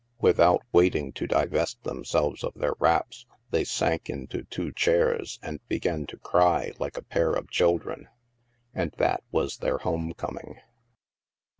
Without waiting to divest themselves of their wraps, they sank into two chairs, and began to cry like a pair of children. And that was their home coming